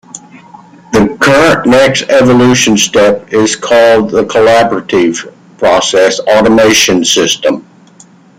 The current next evolution step is called Collaborative Process Automation Systems.